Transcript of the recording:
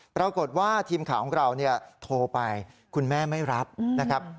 ปรากฏว่าทีมข่าวของเราเนี่ยโทรไปคุณแม่ไม่รับนะครับ